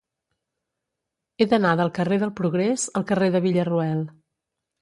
He d'anar del carrer del Progrés al carrer de Villarroel.